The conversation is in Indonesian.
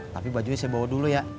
tapi bajunya saya bawa dulu ya